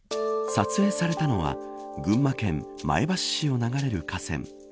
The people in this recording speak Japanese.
撮影されたのは群馬県前橋市を流れる河川。